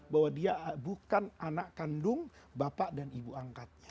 bahwa dia bukan anak kandung bapak dan ibu angkatnya